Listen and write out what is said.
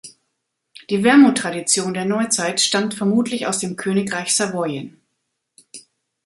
Die Wermut-Tradition der Neuzeit stammt vermutlich aus dem Königreich Savoyen.